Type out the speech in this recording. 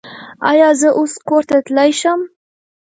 ایا زه اوس کور ته تلی شم؟